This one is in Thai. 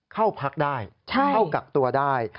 เข้าพักได้เข้ากักตัวได้